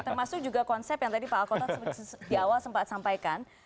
termasuk juga konsep yang tadi pak alkota di awal sempat sampaikan